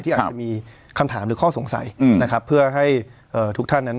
อาจจะมีคำถามหรือข้อสงสัยนะครับเพื่อให้ทุกท่านนั้น